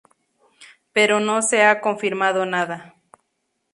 Pero no se ha confirmado nada.